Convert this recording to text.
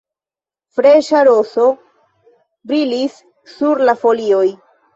Freŝa roso brilis sur la folioj.